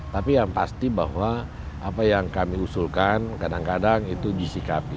tapi yang pasti bahwa apa yang kami usulkan kadang kadang itu disikapi